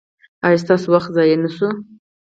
ایا ستاسو وخت ضایع نه شو؟